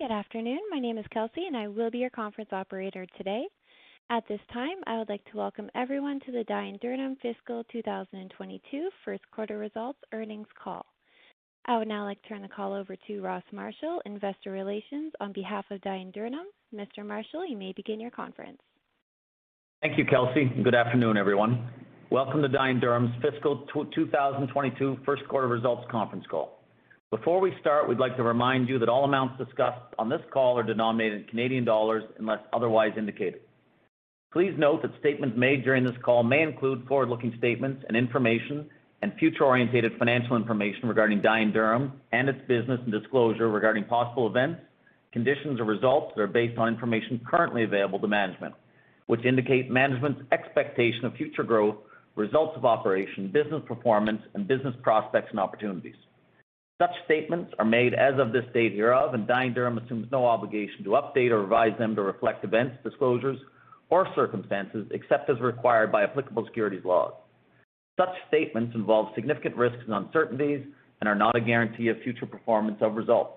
Good afternoon. My name is Kelsey, and I will be your conference operator today. At this time, I would like to welcome everyone to the Dye & Durham fiscal 2022 first quarter results earnings call. I would now like to turn the call over to Ross Marshall, investor relations on behalf of Dye & Durham. Mr. Marshall, you may begin your conference. Thank you, Kelsey. Good afternoon, everyone. Welcome to Dye & Durham's fiscal 2022 first quarter results conference call. Before we start, we'd like to remind you that all amounts discussed on this call are denominated in Canadian dollars unless otherwise indicated. Please note that statements made during this call may include forward-looking statements and information and future-oriented financial information regarding Dye & Durham and its business and disclosure regarding possible events, conditions or results that are based on information currently available to management, which indicate management's expectation of future growth, results of operations, business performance, and business prospects and opportunities. Such statements are made as of this date hereof, and Dye & Durham assumes no obligation to update or revise them to reflect events, disclosures, or circumstances except as required by applicable securities laws. Such statements involve significant risks and uncertainties and are not a guarantee of future performance or results.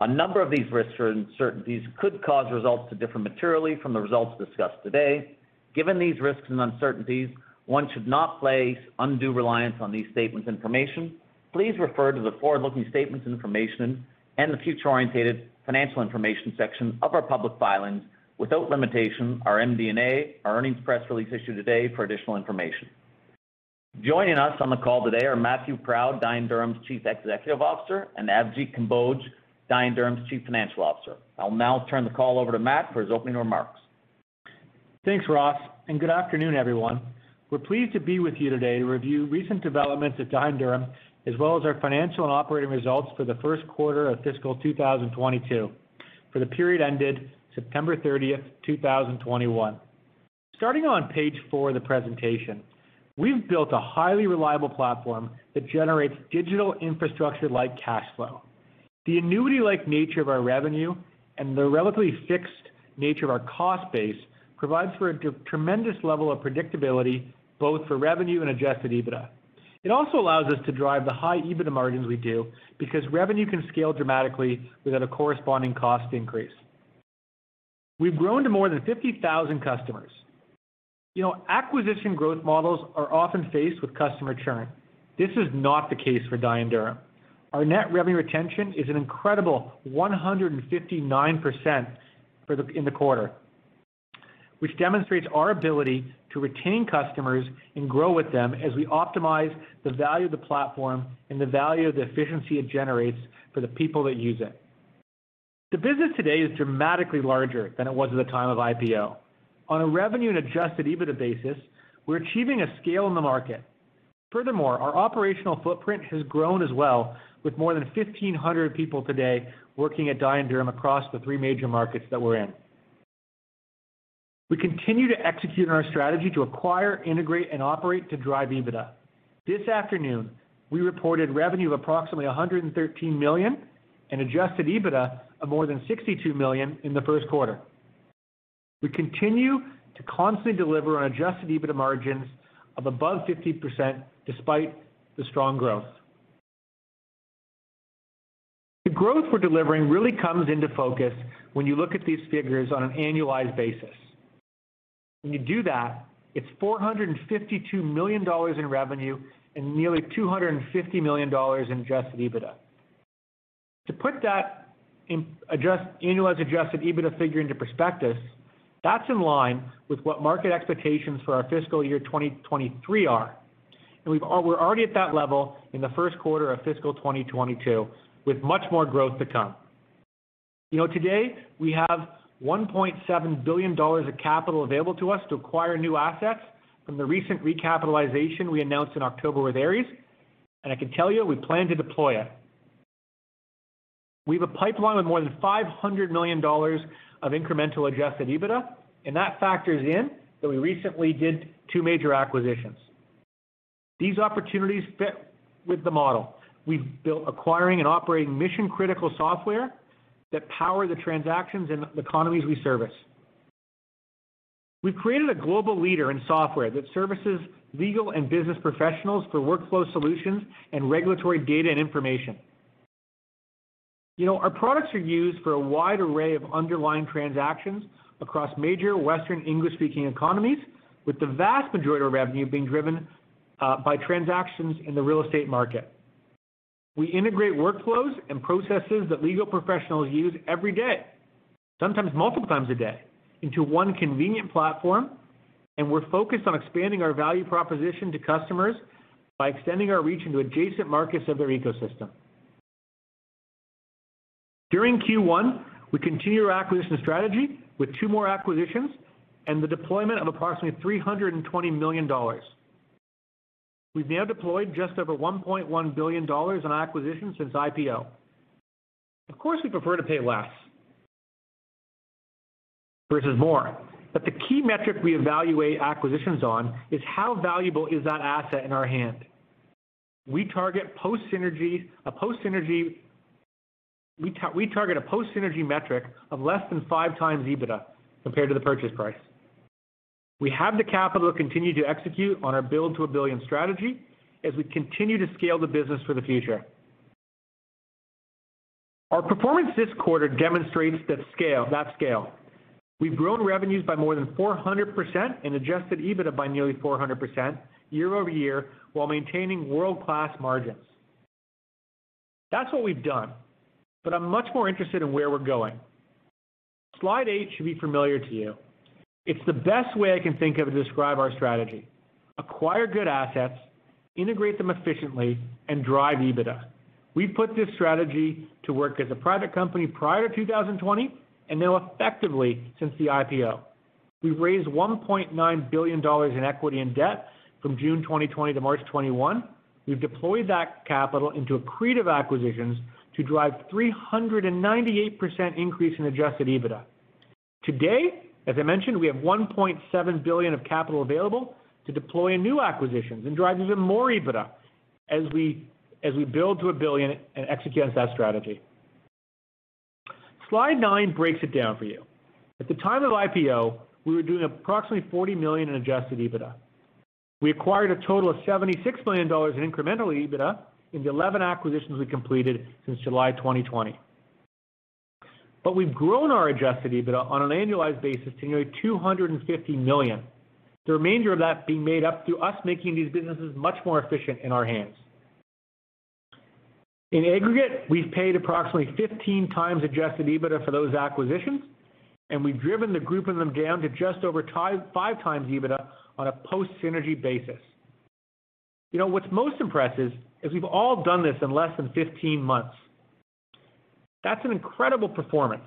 A number of these risks or uncertainties could cause results to differ materially from the results discussed today. Given these risks and uncertainties, one should not place undue reliance on these statements and information. Please refer to the forward-looking statements information and the future-oriented financial information section of our public filings, without limitation, our MD&A, our earnings press release issued today, for additional information. Joining us on the call today are Matthew Proud, Dye & Durham's Chief Executive Officer, and Avjit Kamboj, Dye & Durham's Chief Financial Officer. I'll now turn the call over to Matt for his opening remarks. Thanks, Ross, and good afternoon, everyone. We're pleased to be with you today to review recent developments at Dye & Durham, as well as our financial and operating results for the first quarter of fiscal 2022 for the period ended September 30th, 2021. Starting on page four of the presentation, we've built a highly reliable platform that generates digital infrastructure like cash flow. The annuity-like nature of our revenue and the relatively fixed nature of our cost base provides for a tremendous level of predictability, both for revenue and adjusted EBITDA. It also allows us to drive the high EBITDA margins we do because revenue can scale dramatically without a corresponding cost increase. We've grown to more than 50,000 customers. You know, acquisition growth models are often faced with customer churn. This is not the case for Dye & Durham. Our net revenue retention is an incredible 159% in the quarter, which demonstrates our ability to retain customers and grow with them as we optimize the value of the platform and the value of the efficiency it generates for the people that use it. The business today is dramatically larger than it was at the time of IPO. On a revenue and adjusted EBITDA basis, we're achieving a scale in the market. Furthermore, our operational footprint has grown as well with more than 1,500 people today working at Dye & Durham across the three major markets that we're in. We continue to execute on our strategy to acquire, integrate, and operate to drive EBITDA. This afternoon, we reported revenue of approximately 113 million and adjusted EBITDA of more than 62 million in the first quarter. We continue to constantly deliver on adjusted EBITDA margins of above 50% despite the strong growth. The growth we're delivering really comes into focus when you look at these figures on an annualized basis. When you do that, it's 452 million dollars in revenue and nearly 250 million dollars in adjusted EBITDA. To put that annualized adjusted EBITDA figure into prospectus, that's in line with what market expectations for our fiscal year 2023 are. We're already at that level in the first quarter of fiscal 2022, with much more growth to come. You know, today we have 1.7 billion dollars of capital available to us to acquire new assets from the recent recapitalization we announced in October with Ares, and I can tell you we plan to deploy it. We have a pipeline of more than 500 million dollars of incremental adjusted EBITDA, and that factors in that we recently did two major acquisitions. These opportunities fit with the model we've built acquiring and operating mission-critical software that power the transactions in the economies we service. We've created a global leader in software that services legal and business professionals for workflow solutions and regulatory data and information. You know, our products are used for a wide array of underlying transactions across major Western English-speaking economies, with the vast majority of revenue being driven by transactions in the real estate market. We integrate workflows and processes that legal professionals use every day, sometimes multiple times a day, into one convenient platform, and we're focused on expanding our value proposition to customers by extending our reach into adjacent markets of their ecosystem. During Q1, we continued our acquisition strategy with two more acquisitions and the deployment of approximately 320 million dollars. We've now deployed just over 1.1 billion dollars in acquisitions since IPO. Of course, we prefer to pay less versus more, but the key metric we evaluate acquisitions on is how valuable is that asset in our hand? We target a post synergy metric of less than 5x EBITDA compared to the purchase price. We have the capital to continue to execute on our Build to a Billion strategy as we continue to scale the business for the future. Our performance this quarter demonstrates that scale. We've grown revenues by more than 400% and adjusted EBITDA by nearly 400% year-over-year, while maintaining world-class margins. That's what we've done. I'm much more interested in where we're going. Slide eight should be familiar to you. It's the best way I can think of to describe our strategy. Acquire good assets, integrate them efficiently, and drive EBITDA. We put this strategy to work as a private company prior to 2020 and now effectively since the IPO. We've raised 1.9 billion dollars in equity and debt from June 2020 to March 2021. We've deployed that capital into accretive acquisitions to drive 398% increase in adjusted EBITDA. Today, as I mentioned, we have 1.7 billion of capital available to deploy in new acquisitions and drive even more EBITDA as we Build to a Billion and execute against that strategy. Slide nine breaks it down for you. At the time of IPO, we were doing approximately 40 million in adjusted EBITDA. We acquired a total of 76 million dollars in incremental EBITDA in the 11 acquisitions we completed since July 2020. We've grown our adjusted EBITDA on an annualized basis to nearly 250 million. The remainder of that being made up through us making these businesses much more efficient in our hands. In aggregate, we've paid approximately 15x adjusted EBITDA for those acquisitions, and we've driven the grouping of them down to just over five times EBITDA on a post-synergy basis. You know, what's most impressive is we've all done this in less than 15 months. That's an incredible performance.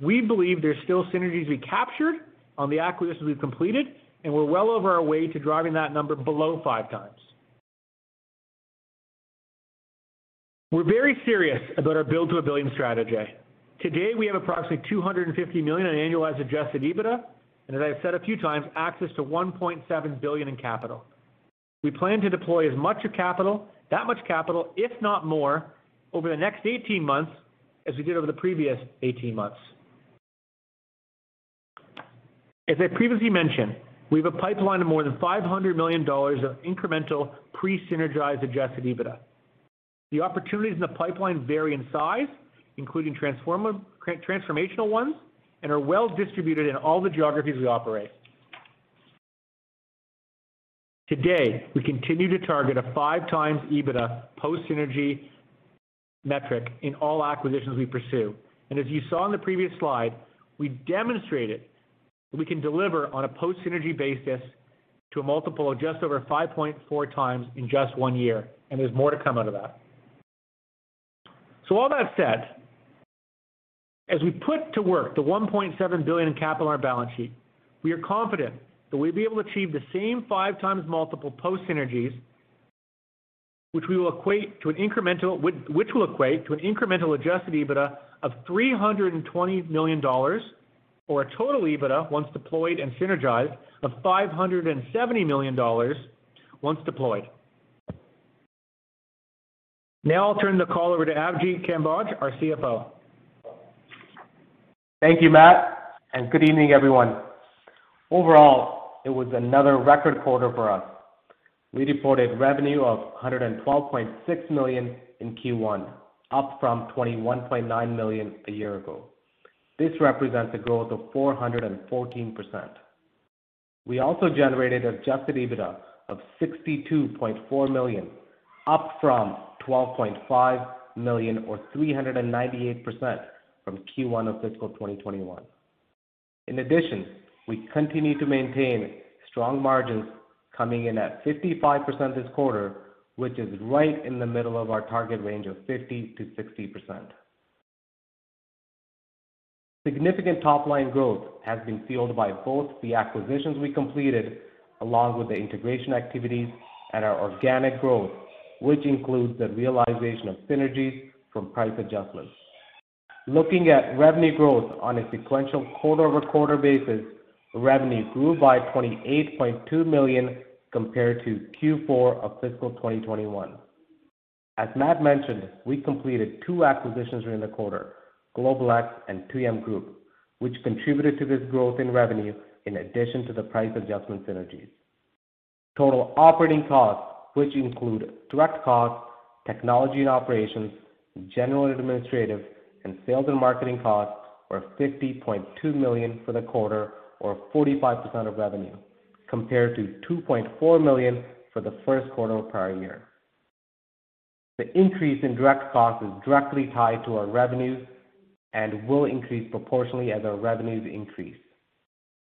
We believe there's still synergies to be captured on the acquisitions we've completed, and we're well on our way to driving that number below 5x. We're very serious about our Build to a Billion strategy. Today we have approximately 250 million in annualized adjusted EBITDA, and as I've said a few times, access to 1.7 billion in capital. We plan to deploy as much of capital, that much capital, if not more, over the next 18 months as we did over the previous 18 months. As I previously mentioned, we have a pipeline of more than 500 million dollars of incremental pre-synergized adjusted EBITDA. The opportunities in the pipeline vary in size, including transformational ones, and are well distributed in all the geographies we operate. Today, we continue to target a 5x EBITDA post-synergy metric in all acquisitions we pursue. As you saw in the previous slide, we demonstrated that we can deliver on a post-synergy basis to a multiple of just over 5.4x in just one year, and there's more to come out of that. All that said, as we put to work the 1.7 billion in capital on our balance sheet, we are confident that we'll be able to achieve the same 5x multiple post synergies, which will equate to an incremental adjusted EBITDA of 320 million dollars or a total EBITDA once deployed and synergized of 570 million dollars once deployed. Now I'll turn the call over to Avjit Kamboj, our CFO. Thank you, Matt, and good evening, everyone. Overall, it was another record quarter for us. We reported revenue of 112.6 million in Q1, up from 21.9 million a year ago. This represents a growth of 414%. We also generated adjusted EBITDA of 62.4 million, up from 12.5 million or 398% from Q1 of fiscal 2021. In addition, we continue to maintain strong margins coming in at 55% this quarter, which is right in the middle of our target range of 50%-60%. Significant top-line growth has been fueled by both the acquisitions we completed along with the integration activities and our organic growth, which includes the realization of synergies from price adjustments. Looking at revenue growth on a sequential quarter-over-quarter basis, revenue grew by 28.2 million compared to Q4 of fiscal 2021. As Matt mentioned, we completed two acquisitions during the quarter, GlobalX and TM Group, which contributed to this growth in revenue in addition to the price adjustment synergies. Total operating costs, which include direct costs, technology and operations, general and administrative, and sales and marketing costs were 50.2 million for the quarter or 45% of revenue, compared to 2.4 million for the first quarter of prior year. The increase in direct costs is directly tied to our revenues and will increase proportionally as our revenues increase.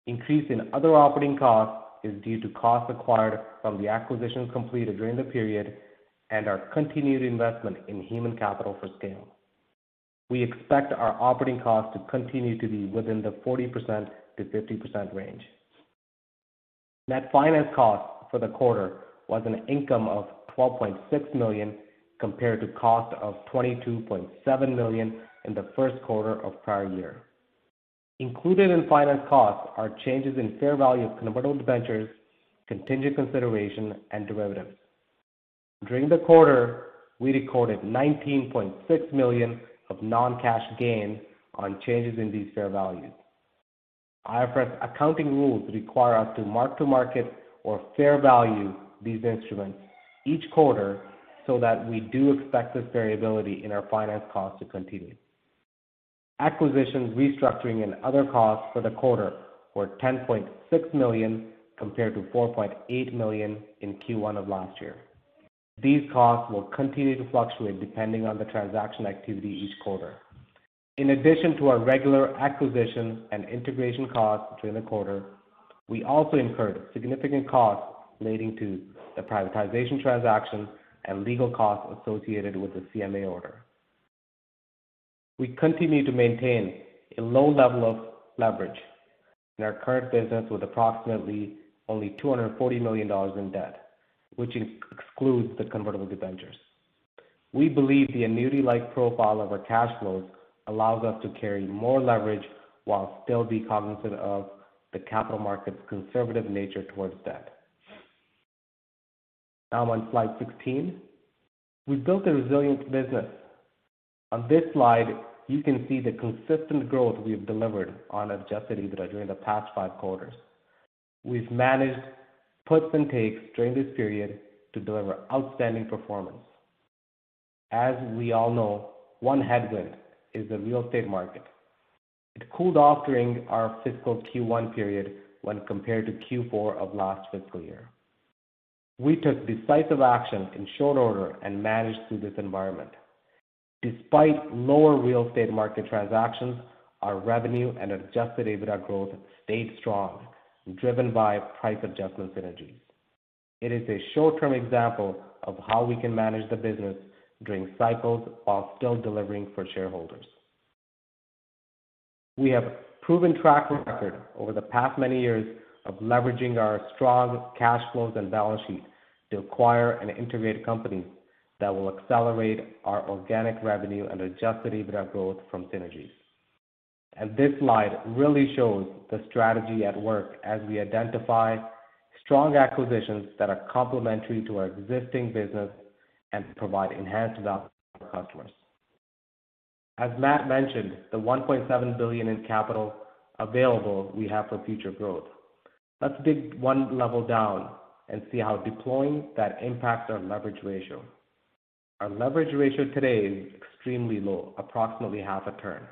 Increase in other operating costs is due to costs acquired from the acquisitions completed during the period and our continued investment in human capital for scale. We expect our operating costs to continue to be within the 40%-50% range. Net finance costs for the quarter was an income of 12.6 million, compared to cost of 22.7 million in the first quarter of prior year. Included in finance costs are changes in fair value of convertible debentures, contingent consideration, and derivatives. During the quarter, we recorded 19.6 million of non-cash gain on changes in these fair values. IFRS accounting rules require us to mark-to-market or fair value these instruments each quarter so that we do expect this variability in our finance costs to continue. Acquisitions, restructuring, and other costs for the quarter were 10.6 million compared to 4.8 million in Q1 of last year. These costs will continue to fluctuate depending on the transaction activity each quarter. In addition to our regular acquisitions and integration costs during the quarter, we also incurred significant costs relating to the privatization transaction and legal costs associated with the CMA order. We continue to maintain a low level of leverage in our current business with approximately only 240 million dollars in debt, which excludes the convertible debentures. We believe the annuity-like profile of our cash flows allows us to carry more leverage while still being cognizant of the capital market's conservative nature towards debt. Now on slide 16. We've built a resilient business. On this slide, you can see the consistent growth we have delivered on adjusted EBITDA during the past five quarters. We've managed puts and takes during this period to deliver outstanding performance. As we all know, one headwind is the real estate market. It cooled off during our fiscal Q1 period when compared to Q4 of last fiscal year. We took decisive action in short order and managed through this environment. Despite lower real estate market transactions, our revenue and adjusted EBITDA growth stayed strong, driven by price adjustment synergies. It is a short-term example of how we can manage the business during cycles while still delivering for shareholders. We have a proven track record over the past many years of leveraging our strong cash flows and balance sheet to acquire and integrate companies that will accelerate our organic revenue and adjusted EBITDA growth from synergies. This slide really shows the strategy at work as we identify strong acquisitions that are complementary to our existing business and provide enhanced value for customers. As Matt mentioned, the 1.7 billion in capital available we have for future growth. Let's dig one level down and see how deploying that impacts our leverage ratio. Our leverage ratio today is extremely low, approximately half a turn.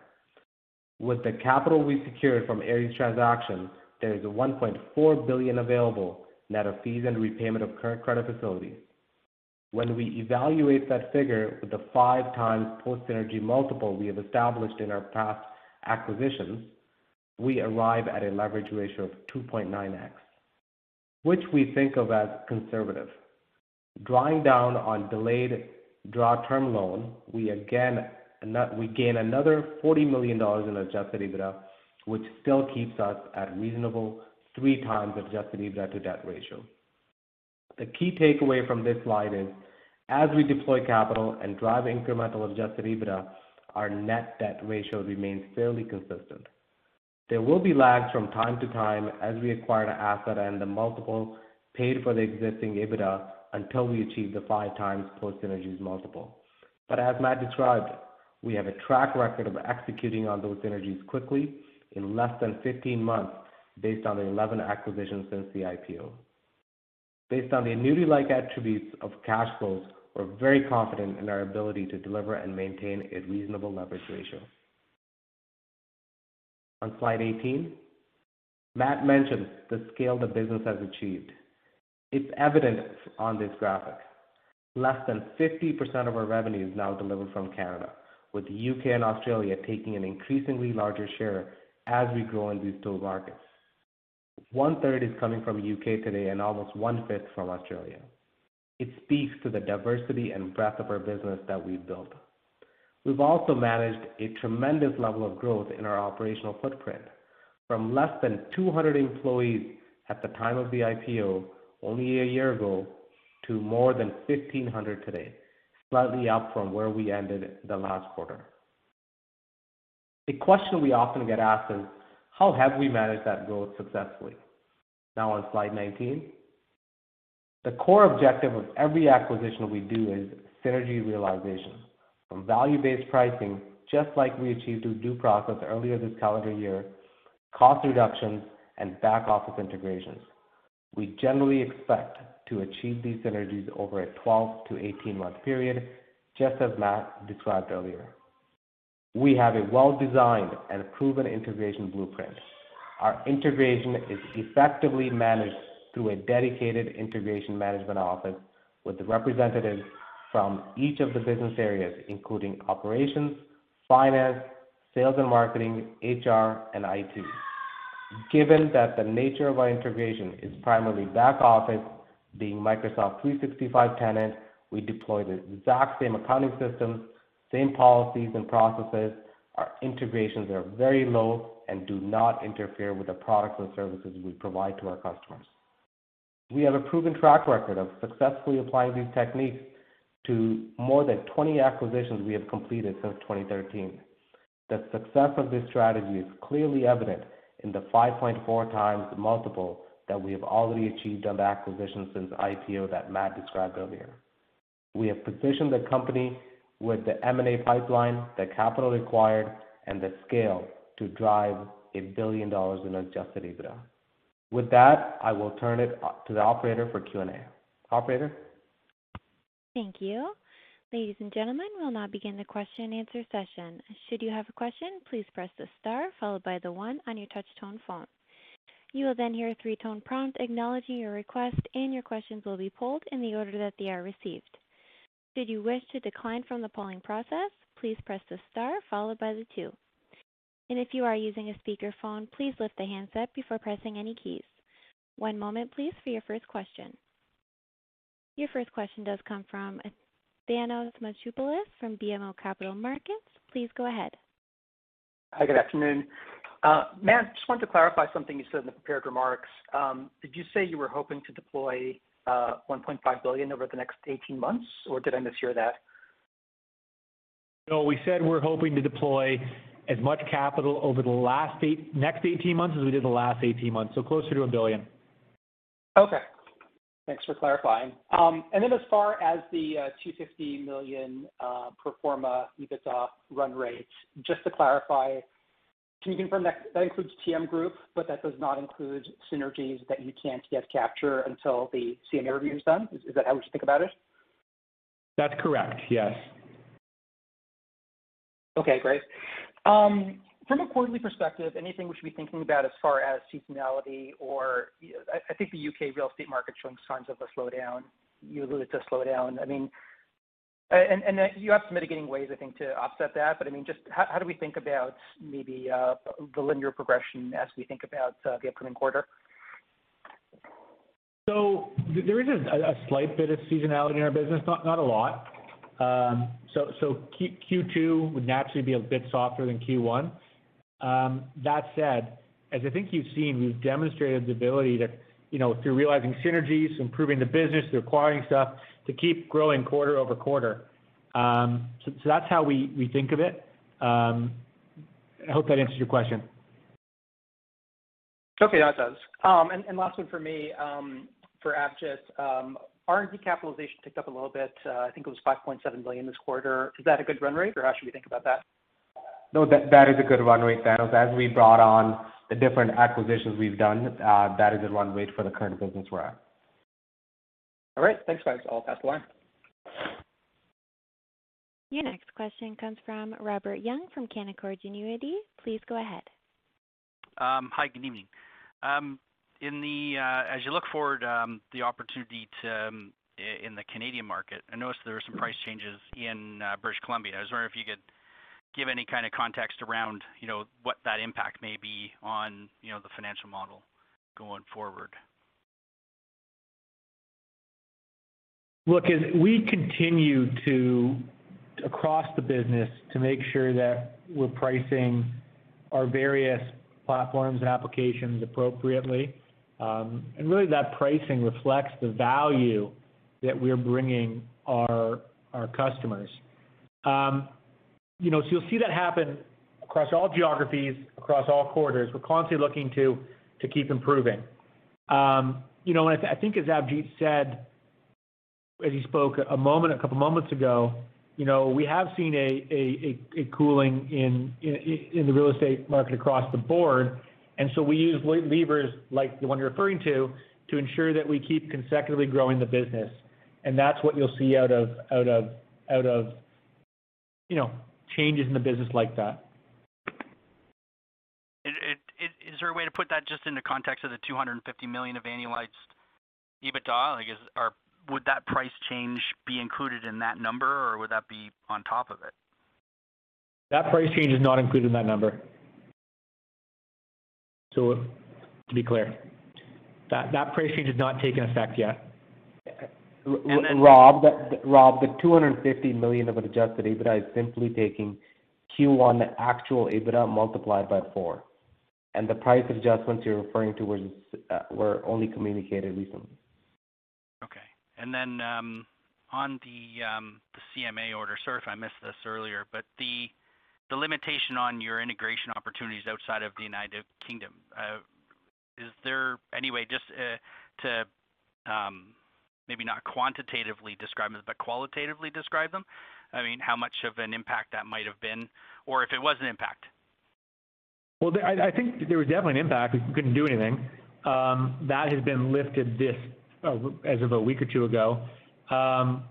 With the capital we secured from Ares transaction, there is 1.4 billion available net of fees and repayment of current credit facilities. When we evaluate that figure with the 5x post-synergy multiple we have established in our past acquisitions, we arrive at a leverage ratio of 2.9x, which we think of as conservative. Drawing down on delayed draw term loan, we gain another 40 million dollars in adjusted EBITDA, which still keeps us at reasonable 3x adjusted EBITDA to debt ratio. The key takeaway from this slide is as we deploy capital and drive incremental adjusted EBITDA, our net debt ratio remains fairly consistent. There will be lags from time to time as we acquire an asset and the multiple paid for the existing EBITDA until we achieve the 5x post synergies multiple. As Matt described, we have a track record of executing on those synergies quickly in less than 15 months based on the 11 acquisitions since the IPO. Based on the annuity-like attributes of cash flows, we're very confident in our ability to deliver and maintain a reasonable leverage ratio. On slide 18, Matt mentioned the scale the business has achieved. It's evident on this graphic. Less than 50% of our revenue is now delivered from Canada, with U.K. and Australia taking an increasingly larger share as we grow in these two markets. 1/3 is coming from U.K. today and almost 1/5 from Australia. It speaks to the diversity and breadth of our business that we've built. We've also managed a tremendous level of growth in our operational footprint from less than 200 employees at the time of the IPO only a year ago to more than 1,500 today, slightly up from where we ended the last quarter. A question we often get asked is: How have we managed that growth successfully? Now on slide 19. The core objective of every acquisition we do is synergy realization from value-based pricing, just like we achieved with DoProcess earlier this calendar year, cost reductions, and back-office integrations. We generally expect to achieve these synergies over a 12-18-month period, just as Matt described earlier. We have a well-designed and proven integration blueprint. Our integration is effectively managed through a dedicated integration management office with representatives from each of the business areas, including operations, finance, sales and marketing, HR, and IT. Given that the nature of our integration is primarily back office, being Microsoft 365 tenant, we deploy the exact same accounting systems, same policies and processes. Our integrations are very low and do not interfere with the products or services we provide to our customers. We have a proven track record of successfully applying these techniques to more than 20 acquisitions we have completed since 2013. The success of this strategy is clearly evident in the 5.4x multiple that we have already achieved on the acquisitions since IPO that Matt described earlier. We have positioned the company with the M&A pipeline, the capital required, and the scale to drive 1 billion dollars in adjusted EBITDA. With that, I will turn it over to the operator for Q&A. Operator? Thank you. Ladies and gentlemen, we'll now begin the question-and-answer session. Should you have a question, please press the star followed by the one on your touch-tone phone. You will then hear a three-tone prompt acknowledging your request, and your questions will be pulled in the order that they are received. Should you wish to decline from the polling process, please press the star followed by the two. If you are using a speakerphone, please lift the handset before pressing any keys. One moment please for your first question. Your first question does come from Thanos Moschopoulos from BMO Capital Markets. Please go ahead. Hi, good afternoon. Matt, just wanted to clarify something you said in the prepared remarks. Did you say you were hoping to deploy 1.5 billion over the next 18 months, or did I mishear that? No, we said we're hoping to deploy as much capital over the next 18 months as we did the last 18 months, so closer to 1 billion. Okay. Thanks for clarifying. As far as the 250 million pro forma EBITDA run rate, just to clarify, can you confirm that that includes TM Group, but that does not include synergies that you can't yet capture until the CMA review is done? Is that how we should think about it? That's correct, yes. Okay, great. From a quarterly perspective, anything we should be thinking about as far as seasonality or, you know, I think the U.K. real estate market is showing signs of a slowdown. You alluded to a slowdown. I mean, and you have some mitigating ways, I think, to offset that. I mean, just how do we think about maybe the linear progression as we think about the upcoming quarter? There is a slight bit of seasonality in our business, not a lot. Q2 would naturally be a bit softer than Q1. That said, as I think you've seen, we've demonstrated the ability to, you know, through realizing synergies, improving the business, through acquiring stuff, to keep growing quarter over quarter. That's how we think of it. I hope that answers your question. Okay. That does. And last one for me, for Avjit. R&D capitalization ticked up a little bit. I think it was 5.7 million this quarter. Is that a good run rate, or how should we think about that? No, that is a good run rate, Thanos. As we brought on the different acquisitions we've done, that is a run rate for the current business we're at. All right. Thanks, guys. I'll pass the line. Your next question comes from Robert Young from Canaccord Genuity. Please go ahead. Hi. Good evening. As you look forward, the opportunity in the Canadian market, I noticed there were some price changes in British Columbia. I was wondering if you could give any kind of context around, you know, what that impact may be on, you know, the financial model going forward. Look, as we continue across the business to make sure that we're pricing our various platforms and applications appropriately, and really that pricing reflects the value that we're bringing our customers. You know, so you'll see that happen across all geographies, across all quarters. We're constantly looking to keep improving. You know, and I think as Avjit said, as he spoke a couple moments ago, you know, we have seen a cooling in the real estate market across the board. So we use levers like the one you're referring to ensure that we keep consistently growing the business. That's what you'll see out of, you know, changes in the business like that. Is there a way to put that just in the context of 250 million of annualized EBITDA? Like, would that price change be included in that number, or would that be on top of it? That price change is not included in that number. To be clear. That price change has not taken effect yet. Rob, the 250 million of adjusted EBITDA is simply taking Q1 actual EBITDA multiplied by four. The price adjustments you're referring to were only communicated recently. Okay. On the CMA order. Sorry if I missed this earlier, but the limitation on your integration opportunities outside of the United Kingdom, is there any way just to maybe not quantitatively describe them, but qualitatively describe them? I mean, how much of an impact that might have been or if it was an impact. Well, I think there was definitely an impact. We couldn't do anything. That has been lifted as of a week or two ago. While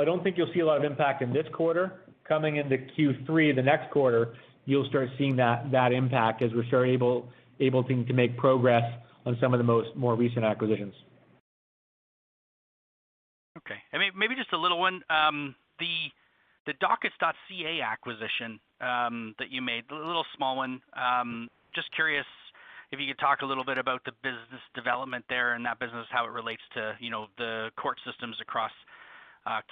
I don't think you'll see a lot of impact in this quarter, coming into Q3, the next quarter, you'll start seeing that impact as we're starting able to make progress on some of the more recent acquisitions. Okay. Maybe just a little one. The Dockets.ca acquisition that you made, a little small one. Just curious if you could talk a little bit about the business development there and that business, how it relates to, you know, the court systems across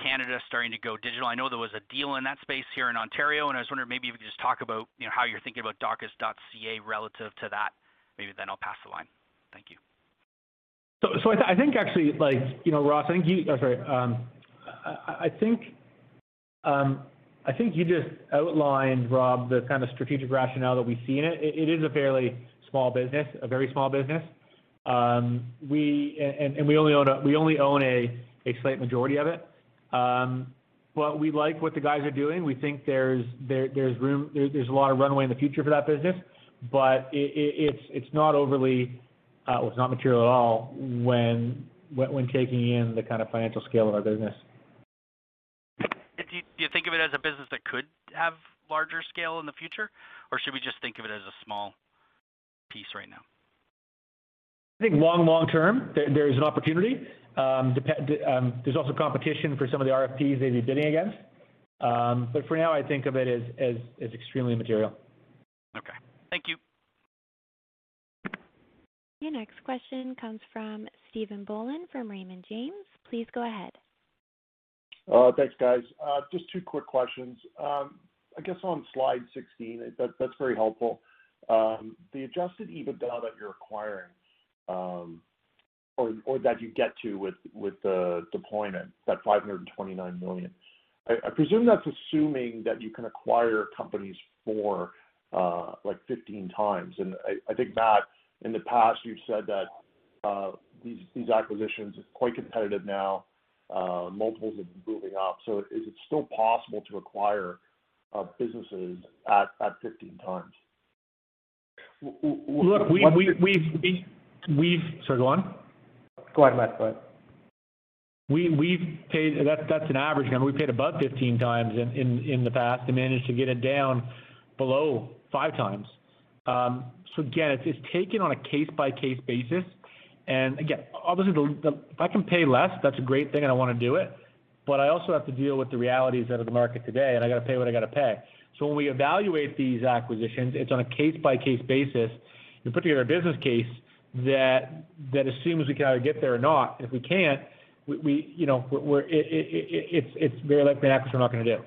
Canada starting to go digital. I know there was a deal in that space here in Ontario, and I was wondering maybe if you could just talk about, you know, how you're thinking about Dockets.ca relative to that. Maybe then I'll pass the line. Thank you. I think actually like, you know, Ross, I think you-- That's right. I think you just outlined, Rob, the kind of strategic rationale that we see in it. It is a fairly small business, a very small business. We only own a slight majority of it. But we like what the guys are doing. We think there's room. There's a lot of runway in the future for that business. But it's not overly, well, it's not material at all when taking in the kind of financial scale of our business. Do you think of it as a business that could have larger scale in the future, or should we just think of it as a small piece right now? I think long term there is an opportunity. There's also competition for some of the RFPs they'd be bidding against. For now, I think of it as extremely material. Okay. Thank you. Your next question comes from Stephen Boland from Raymond James. Please go ahead. Thanks, guys. Just two quick questions. I guess on slide 16, that's very helpful. The adjusted EBITDA that you're acquiring, that you get to with the deployment, that 529 million. I presume that's assuming that you can acquire companies for, like 15x. I think, Matt, in the past you've said that these acquisitions is quite competitive now, multiples are moving up. Is it still possible to acquire businesses at 15x? We- Look, we've Sorry, go on. Go ahead, Matt. Go ahead. We've paid. That's an average. I mean, we paid above 15x in the past and managed to get it down below 5x. Again, it's taken on a case-by-case basis. Again, obviously, if I can pay less, that's a great thing and I wanna do it. I also have to deal with the realities that are in the market today, and I gotta pay what I gotta pay. When we evaluate these acquisitions, it's on a case-by-case basis. We put together a business case that assumes we can either get there or not. If we can't, you know, it's very likely an acquisition we're not gonna do.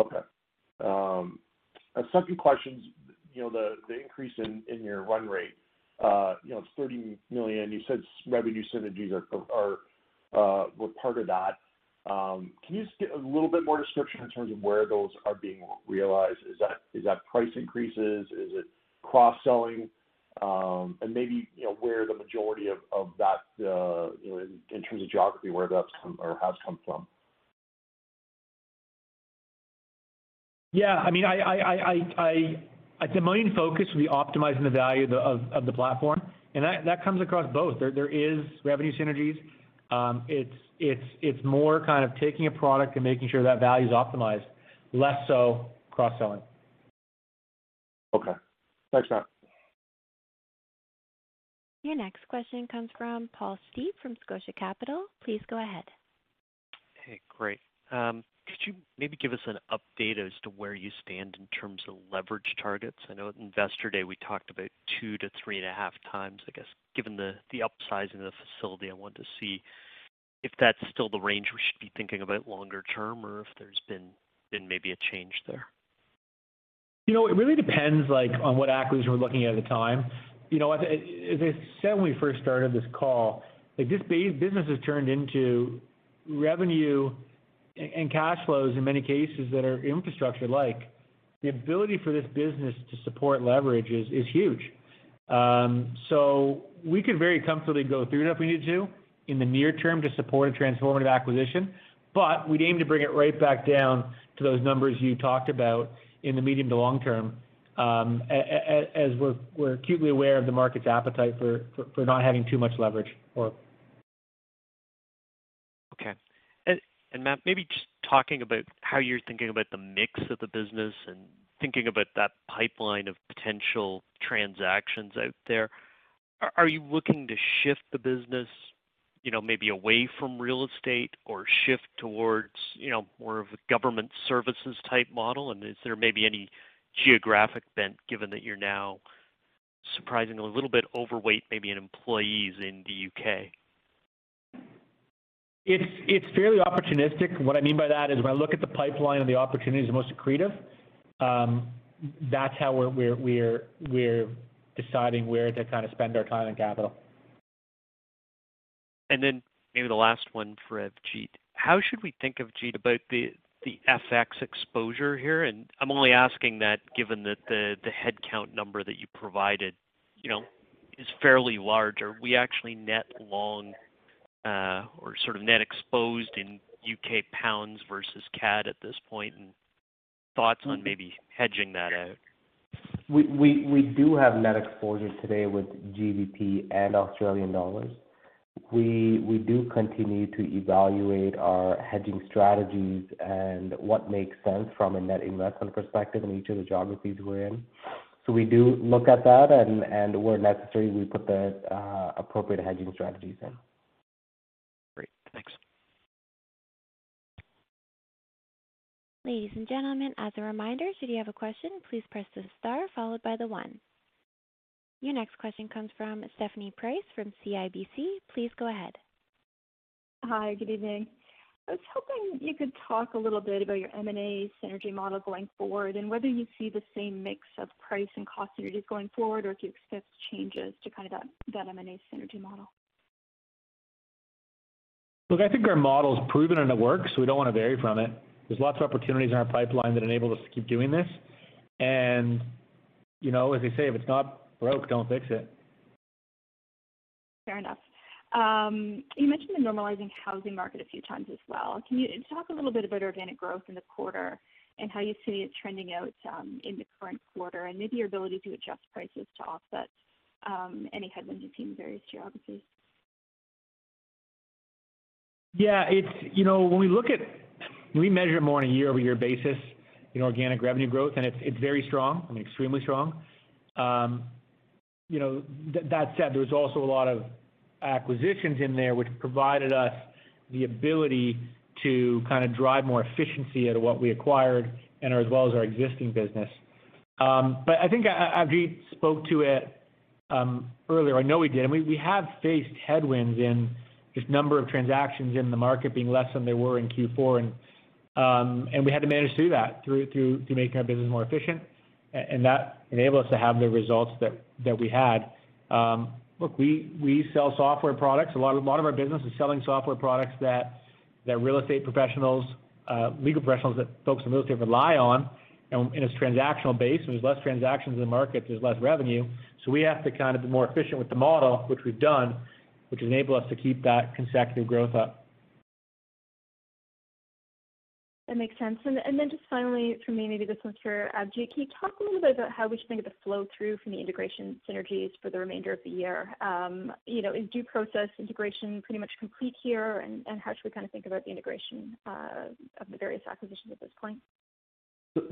Okay. My second question's the increase in your run rate. You know, it's 30 million. You said revenue synergies were part of that. Can you just give a little bit more description in terms of where those are being realized? Is that price increases? Is it cross-selling? And maybe you know where the majority of that in terms of geography, where that's come or has come from. Yeah, I mean, the main focus will be optimizing the value of the platform. That comes across both. There is revenue synergies. It's more kind of taking a product and making sure that value is optimized, less so cross-selling. Okay. Thanks, Matt. Your next question comes from Paul Steep from Scotia Capital. Please go ahead. Hey, great. Could you maybe give us an update as to where you stand in terms of leverage targets? I know at Investor Day we talked about 2x-3.5x. I guess given the upsizing of the facility, I wanted to see if that's still the range we should be thinking about longer term or if there's been maybe a change there. You know, it really depends like on what acquisitions we're looking at the time. You know, as I said when we first started this call, like this business has turned into revenue and cash flows in many cases that are infrastructure like. The ability for this business to support leverage is huge. So we could very comfortably go 3 if we needed to in the near term to support a transformative acquisition. We'd aim to bring it right back down to those numbers you talked about in the medium to long term, as we're acutely aware of the market's appetite for not having too much leverage, Paul. Okay. Matt, maybe just talking about how you're thinking about the mix of the business and thinking about that pipeline of potential transactions out there. Are you looking to shift the business, you know, maybe away from real estate or shift towards, you know, more of a government services type model? Is there maybe any geographic bent given that you're now surprisingly a little bit overweight, maybe in employees in the U.K.? It's fairly opportunistic. What I mean by that is when I look at the pipeline and the opportunities are most accretive, that's how we're deciding where to kind of spend our time and capital. Maybe the last one for Avjit. How should we think Avjit about the FX exposure here? I'm only asking that given that the headcount number that you provided, you know, is fairly large. Are we actually net long or sort of net exposed in UK pounds versus CAD at this point, and thoughts on maybe hedging that out? We do have net exposure today with GBP and Australian dollars. We do continue to evaluate our hedging strategies and what makes sense from a net investment perspective in each of the geographies we're in. We do look at that and where necessary, we put the appropriate hedging strategies in. Great. Thanks. Ladies and gentlemen, as a reminder, if you do have a question, please press the star followed by the one. Your next question comes from Stephanie Price from CIBC. Please go ahead. Hi, good evening. I was hoping you could talk a little bit about your M&A synergy model going forward, and whether you see the same mix of price and cost synergies going forward, or if you expect changes to kind of that M&A synergy model? Look, I think our model is proven and it works, so we don't wanna vary from it. There's lots of opportunities in our pipeline that enable us to keep doing this. You know, as they say, if it's not broke, don't fix it. Fair enough. You mentioned the normalizing housing market a few times as well. Can you talk a little bit about organic growth in the quarter and how you see it trending out, in the current quarter, and maybe your ability to adjust prices to offset, any headwinds you're seeing in various geographies? Yeah. You know, when we look at it, we measure it more on a year-over-year basis in organic revenue growth, and it's very strong, I mean, extremely strong. That said, there was also a lot of acquisitions in there which provided us the ability to kinda drive more efficiency out of what we acquired and as well as our existing business. But I think Avjit spoke to it earlier. I know he did. We have faced headwinds in the number of transactions in the market being less than they were in Q4. We had to manage through that to making our business more efficient. That enabled us to have the results that we had. Look, we sell software products. A lot of our business is selling software products that real estate professionals, legal professionals that folks in real estate rely on and it's transactional based. When there's less transactions in the market, there's less revenue. We have to kind of be more efficient with the model, which we've done, which enable us to keep that consecutive growth up. That makes sense. Then just finally for me, maybe this one's for Avjit. Can you talk a little bit about how we should think of the flow-through from the integration synergies for the remainder of the year? You know, is DoProcess integration pretty much complete here, and how should we kinda think about the integration of the various acquisitions at this point?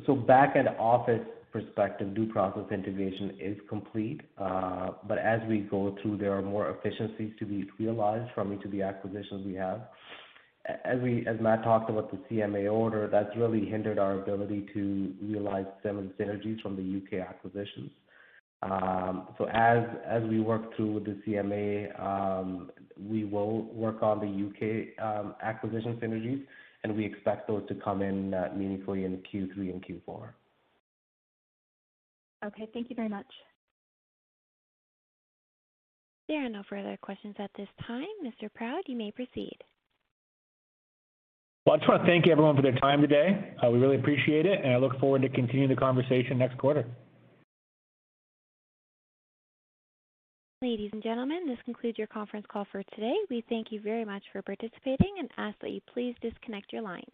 So back end office perspective, DoProcess integration is complete. As we go through, there are more efficiencies to be realized from each of the acquisitions we have. As Matt talked about the CMA order, that's really hindered our ability to realize some synergies from the U.K. acquisitions. As we work through the CMA, we will work on the U.K. acquisition synergies, and we expect those to come in meaningfully in Q3 and Q4. Okay. Thank you very much. There are no further questions at this time. Mr. Proud, you may proceed. Well, I just wanna thank everyone for their time today. We really appreciate it, and I look forward to continuing the conversation next quarter. Ladies and gentlemen, this concludes your conference call for today. We thank you very much for participating and ask that you please disconnect your lines.